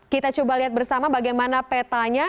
kita coba lihat bersama bagaimana petanya